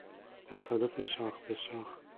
تصادف شاخ به شاخ